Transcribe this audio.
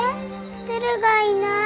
テルがいない。